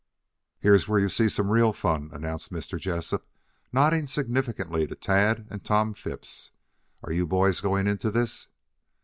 "Here's where you see some real fun," announced Mr. Jessup, nodding significantly to Tad and Tom Phipps. "Are you boys going into this?"